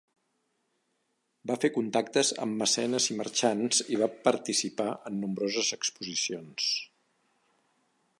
Va fer contactes amb mecenes i marxants i va participar en nombroses exposicions.